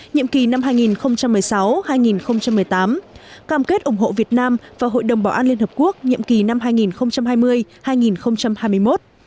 nhiệm kỳ năm hai nghìn một mươi sáu hai nghìn một mươi tám cam kết ủng hộ việt nam vào hội đồng bảo an liên hợp quốc nhiệm kỳ năm hai nghìn hai mươi hai nghìn hai mươi một